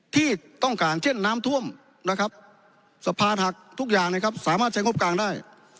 ที่ต้องการเช่นน้ำท่วมนะครับสะพานหักทุกอย่างนะครับสามารถใช้งบกลางได้